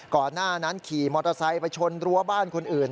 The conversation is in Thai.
ก่อนหน้านั้นขี่มอเตอร์ไซค์ไปชนรั้วบ้านคนอื่น